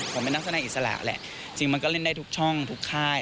ผมเป็นนักแสดงอิสระแหละจริงมันก็เล่นได้ทุกช่องทุกค่าย